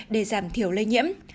để giảm thiểu lây nhiễm